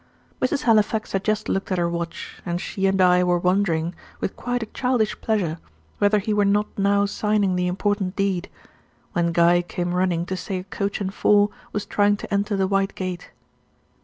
Mrs. Halifax had just looked at her watch, and she and I were wondering, with quite a childish pleasure, whether he were not now signing the important deed, when Guy came running to say a coach and four was trying to enter the White Gate.